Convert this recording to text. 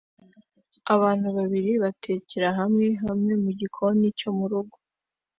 Abantu babiri batekera hamwe hamwe mugikoni cyo murugo